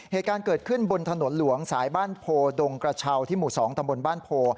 เหตุการณ์เกิดขึ้นบนถนนหลวงสายบ้านโพดงกระเช้าที่หมู่๒ตำบลบ้านโพ